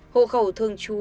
hộ khẩu thường chú